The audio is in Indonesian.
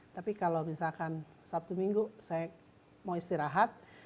tapi kalau misalkan sabtu minggu saya mau istirahat